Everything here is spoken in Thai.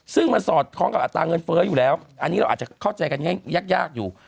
ซึ่งมันสอดคล้องกับอัตราเงินเฟ้ออยู่แล้วอันนี้เราอาจจะเข้าใจกันง่ายยากอยู่